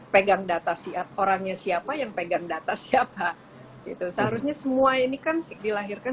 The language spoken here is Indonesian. pegang data siapa orangnya siapa yang pegang data siapa itu seharusnya semua ini kan dilahirkan